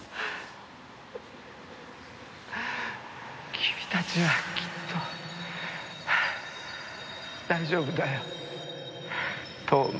君たちはきっと大丈夫だよ飛羽真。